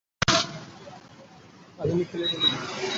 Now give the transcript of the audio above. আধুনিককালের গবেষকগণ বোধ হয় যেন এই সিদ্ধান্ত একেবারে অস্বীকার করিয়া থাকেন।